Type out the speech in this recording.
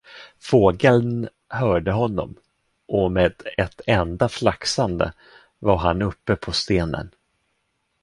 Fågeln hörde honom, och med ett enda flaxande var han uppe på stenen.